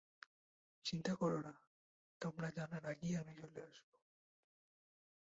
চিন্তা করো না, তোমরা জানার আগেই আমি চলে আসব।